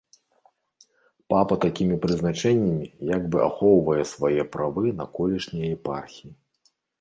Папа такімі прызначэннямі як бы ахоўвае свае правы на колішнія епархіі.